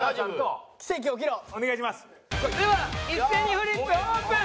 では一斉にフリップオープン！